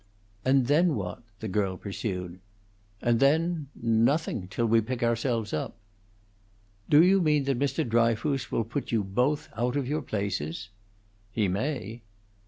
"And then what?" the girl pursued. "And then, nothing till we pick ourselves up." "Do you mean that Mr. Dryfoos will put you both oat of your places?" "He may."